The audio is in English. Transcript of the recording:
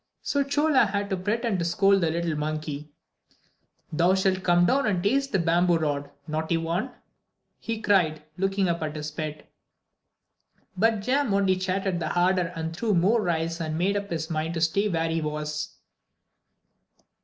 So Chola had to pretend to scold the little monkey: "Thou shalt come down and taste the bamboo rod, naughty one!" he cried, looking up at his pet. But Jam only chattered the harder and threw more rice and made up his mind to stay where he was.